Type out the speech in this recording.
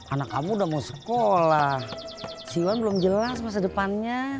anak kamu udah mau sekolah jiwa belum jelas masa depannya